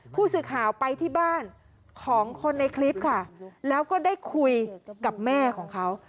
ผู้สื่อข่าวไปที่บ้านของคนในคลิปค่ะแล้วก็ได้คุยกับแม่ของเขา